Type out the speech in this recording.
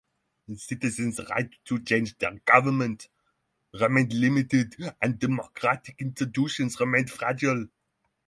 Citizens' right to change their government remained limited and democratic institutions remained fragile.